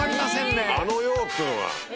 「あのよぉ」っていうのが。